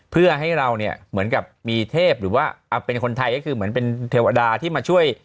เพื่อให้เราเนี่ยเหมือนกับมีเทพหรือว่าเป็นคนไทยก็คือเหมือนเป็นเทวดาที่มาช่วย